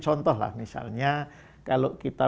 contoh lah misalnya kalau kita